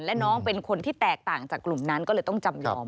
และน้องเป็นคนที่แตกต่างจากกลุ่มนั้นก็เลยต้องจำยอม